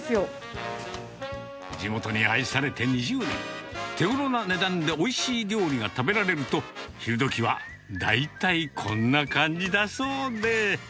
地元に愛されて２０年、手ごろな値段でおいしい料理が食べられると、昼どきは大体こんな感じだそうで。